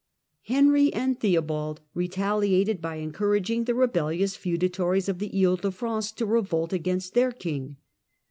Henry and Theobald retaliated by encouraging the rebellious feudatories of the He de France to revolt against their king.